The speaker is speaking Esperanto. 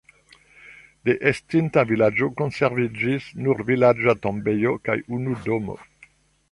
De estinta vilaĝo konserviĝis nur vilaĝa tombejo kaj unu domo.